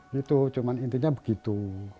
gitu cuman intinya begitu